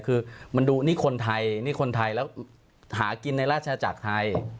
คือมันดูนี่คนไทยนี่คนไทยแล้วหากินในราชจักรไทย